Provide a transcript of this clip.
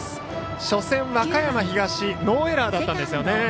初戦、和歌山東ノーエラーだったんですよね。